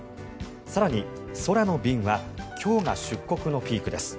更に、空の便は今日が出国のピークです。